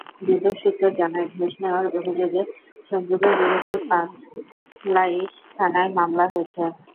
দুদক সূত্র জানায়, ঘুষ নেওয়ার অভিযোগে সঞ্জীবের বিরুদ্ধে পাঁচলাইশ থানায় মামলা হয়েছে।